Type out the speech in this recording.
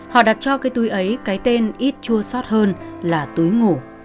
họ đặt cho cái túi ấy cái tên ít chua sót hơn là túi ngủ